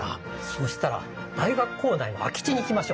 そうしたら大学構内の空き地に行きましょう。